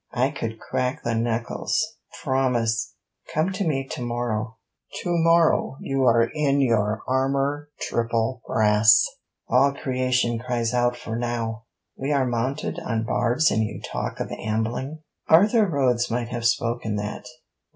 'I could crack the knuckles. Promise!' 'Come to me to morrow.' 'To morrow you are in your armour triple brass! All creation cries out for now. We are mounted on barbs and you talk of ambling.' 'Arthur Rhodes might have spoken that.'